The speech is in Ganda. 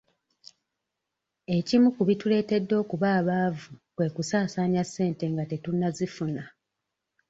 Ekimu ku bituleetedde okuba abaavu kwe kusaasanya ssente nga tetunnazifuna.